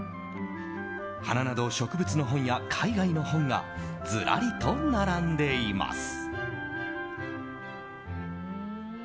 花など植物の本や海外の本がずらりと並んでいます。